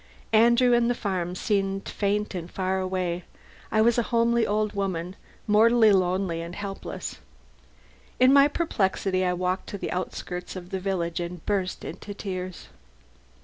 Andrew and the farm seemed faint and far away. I was a homely old woman, mortally lonely and helpless. In my perplexity I walked to the outskirts of the village and burst into tears.